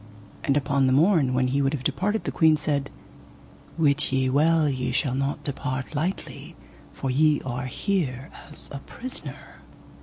And upon the morn when he would have departed the queen said: Wit ye well ye shall not depart lightly, for ye are here as a prisoner.